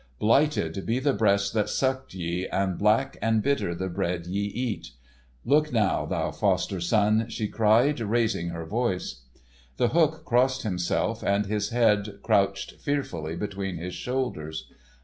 Blighted be the breasts that sucked ye, and black and bitter the bread ye cat. Look thou now, foster son," she cried, raising her voice. The Hook crossed himself, and his head crouched fearfully between his shoulders.